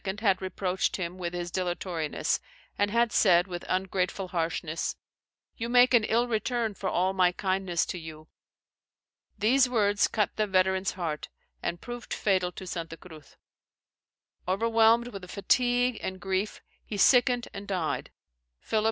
had reproached him with his dilatoriness, and had said with ungrateful harshness, "You make an ill return for all my kindness to you." These words cut the veteran's heart, and proved fatal to Santa Cruz. Overwhelmed with fatigue and grief, he sickened and died. Philip II.